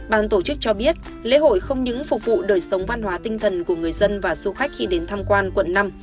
bàn tổ chức cho biết lễ hội không những phục vụ đời sống văn hóa tinh thần của người dân và du khách khi đến tham quan quận năm